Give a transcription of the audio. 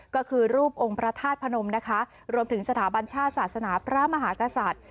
ก็คือรูปองค์พระธาตุพนมนะคะรวมถึงสถาบันชาติศาสนาพระมหากษัตริย์